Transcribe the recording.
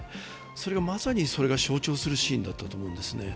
それがまさに象徴するシーンだったと思うんですね。